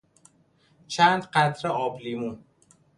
چند قطره آب لیمو